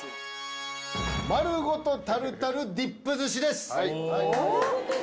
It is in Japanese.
まるごとタルタルディップ寿司です。